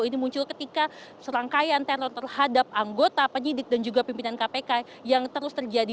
ini muncul ketika serangkaian teror terhadap anggota penyidik dan juga pimpinan kpk yang terus terjadi